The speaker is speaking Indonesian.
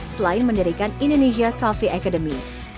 selain mendirikan indonesia coffee academy